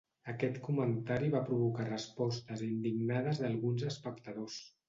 Aquest comentari va provocar respostes indignades d'alguns espectadors.